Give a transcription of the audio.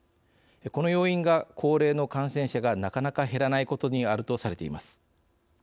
この要因が、高齢の感染者がなかなか減らないことにあるとされています。